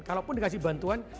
kalaupun dikasih bantuan